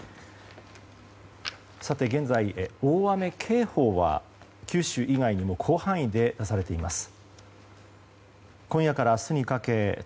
現在、大雨警報は九州以外にも広範囲で出されています。